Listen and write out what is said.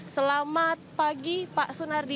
selamat pagi pak sunardi